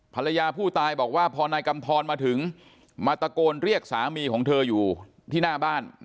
ภรรยาผู้ตายบอกว่าพอนายกำทรมาถึงมาตะโกนเรียกสามีของเธออยู่ที่หน้าบ้าน